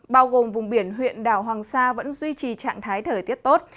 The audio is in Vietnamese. bao gồm vùng biển huyện đảo hoàng sa vẫn duy trì trạng thái thời tiết tốt